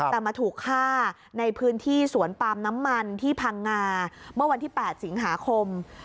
แต่มาถูกฆ่าในพื้นที่สวนปาล์มน้ำมันที่พังงาเมื่อวันที่๘สิงหาคม